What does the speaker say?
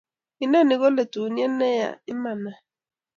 inoni ko lelutient ne ya imanay